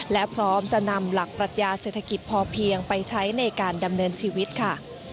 และพร้อมจะนำหลักปรัชญาเศรษฐกิจพอเพียงไปใช้ในการดำเนินชีวิตค่ะ